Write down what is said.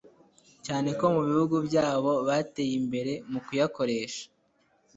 cyane ko mu bihugu byabo bateye imbere mu kuyakoresha